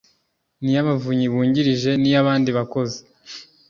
ni iy’abavunyi bungirije n’iy’abandi bakozi